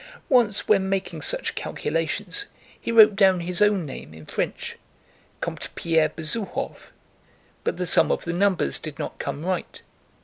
Once when making such calculations he wrote down his own name in French, Comte Pierre Besouhoff, but the sum of the numbers did not come right.